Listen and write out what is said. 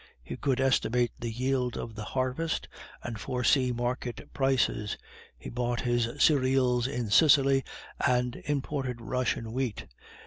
He could estimate the yield of the harvest, and foresee market prices; he bought his cereals in Sicily, and imported Russian wheat.